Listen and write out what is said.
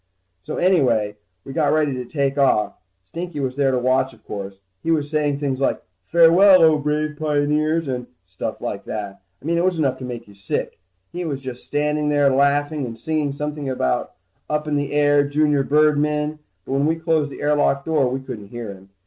So anyway, we got ready to take off. Stinky was there to watch, of course. He was saying things like, farewell, O brave pioneers, and stuff like that. I mean it was enough to make you sick. He was standing there laughing and singing something like up in the air junior birdmen, but when we closed the air lock door, we couldn't hear him.